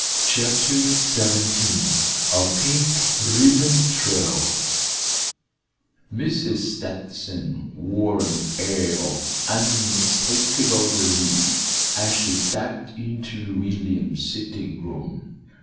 CHAPTER XVII A PINK RIBBON TRAIL Mrs. Stetson wore an air of unmistakable relief as she stepped into William's sitting room.